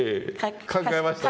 考えましたね。